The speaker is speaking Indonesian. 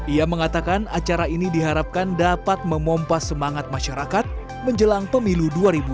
ia mengatakan acara ini diharapkan dapat memompas semangat masyarakat menjelang pemilu dua ribu dua puluh